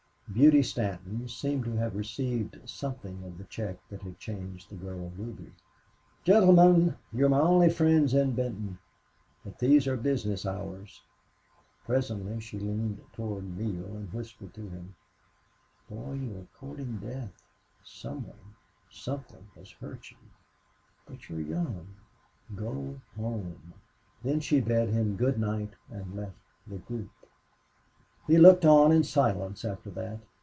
Beauty Stanton seemed to have received something of the check that had changed the girl Ruby. "Gentlemen, you are my only friends in Benton. But these are business hours." Presently she leaned toward Neale and whispered to him: "Boy, you're courting death. Some one something has hurt you. But you're young.... GO HOME!" Then she bade him good night and left the group. He looked on in silence after that.